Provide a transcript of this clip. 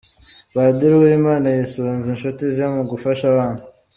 Padiri Uwimana yisunze inshuti ze mu gufasha abana.